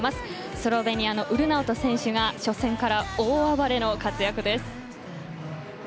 スロベニアのウルナウト選手が初戦から大暴れの活躍です。